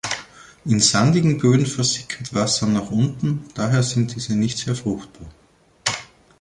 In sandigen Böden versickert Wasser nach unten, daher sind diese nicht sehr fruchtbar.